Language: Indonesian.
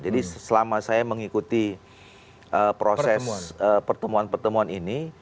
jadi selama saya mengikuti proses pertemuan pertemuan ini